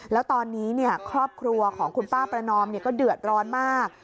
แล้วตอนนี้ครอบครัวของคุณป้าประนอมก็เดือดร้อนมาก